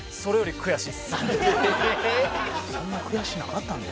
悔しい！